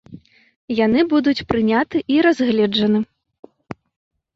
Яны будуць прыняты і разгледжаны.